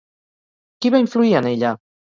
Qui va influir en ella?